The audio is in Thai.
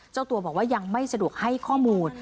เจ้าตัวบอกว่ายังไม่สะดวกให้ข้อมูล